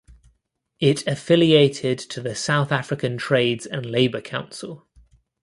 It affiliated to the South African Trades and Labour Council.